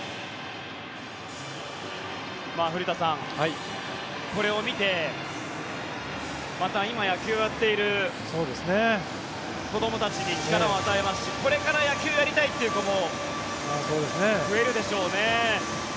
古田さん、これを見てまた今、野球をやっている子どもたちに力を与えますしこれから野球をやりたいという子も増えるでしょうね。